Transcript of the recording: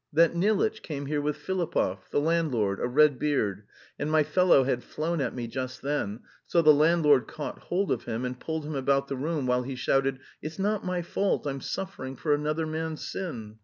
That Nilitch came here with Filipov, the landlord, a red beard, and my fellow had flown at me just then, so the landlord caught hold of him and pulled him about the room while he shouted 'It's not my fault, I'm suffering for another man's sin!'